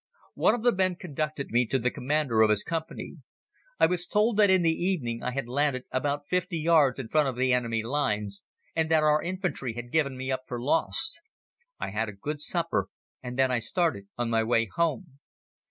"One of the men conducted me to the Commander of his Company. I was told that in the evening I had landed about fifty yards in front of the enemy lines and that our infantry had given me up for lost. I had a good supper and then I started on my way home.